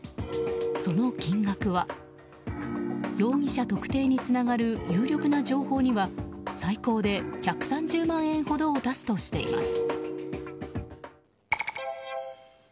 その金額は容疑者特定につながる有力な情報には最高で１３０万円ほどを出すとしています。